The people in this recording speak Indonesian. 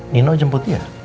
nino jemput dia